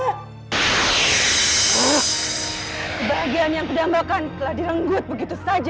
sebagian terdampakain telah direnggut begitu saja